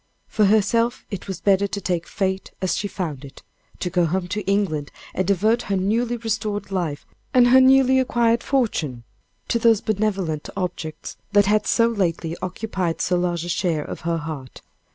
For herself, it was better to take fate as she found it to go home to England, and devote her newly restored life, and her newly acquired fortune, to those benevolent objects that had so lately occupied so large a share of her heart.